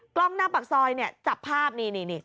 กล้องหน้าปากซอยเนี่ยจับภาพนี่